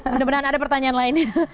benar benar ada pertanyaan lainnya